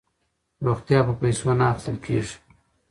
روغتیا په پیسو نه اخیستل کیږي.